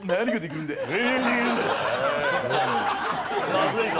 まずいぞ。